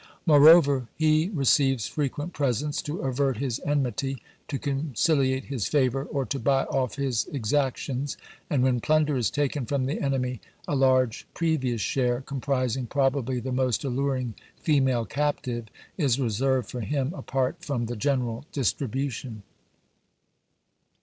Moreover he receives frequent presents, to avert his enmity, to conciliate his favour, or to buy off his exactions; and when plunder is taken from the enemy, a large previous share, comprising probably the most alluring female captive, is reserved for him apart from the general distribution.